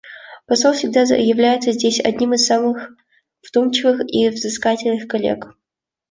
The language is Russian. Посол всегда является здесь одним из самых вдумчивых и взыскательных коллег.